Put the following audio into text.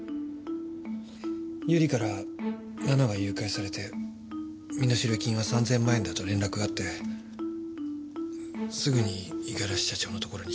由梨から奈々が誘拐されて身代金は３千万円だと連絡があってすぐに五十嵐社長のところに行きました。